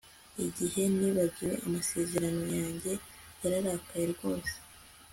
Igihe nibagiwe amasezerano yanjye yararakaye rwose